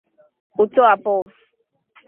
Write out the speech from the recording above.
Kutoa povu